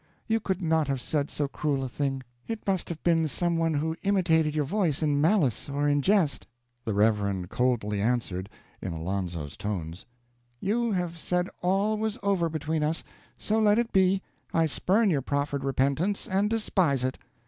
You could not have said so cruel a thing. It must have been some one who imitated your voice in malice or in jest." The Reverend coldly answered, in Alonzo's tones: "You have said all was over between us. So let it be. I spurn your proffered repentance, and despise it!"